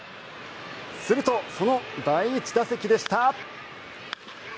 すると、その第１打席でした。